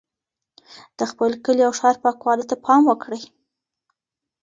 د خپل کلي او ښار پاکوالي ته پام وکړئ.